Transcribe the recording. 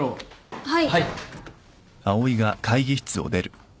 はい。